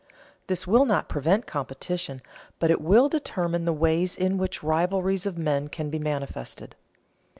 This will not prevent competition, but it will determine the ways in which the rivalries of men can be manifested.